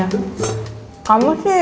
aku mau ketemu sama bu alma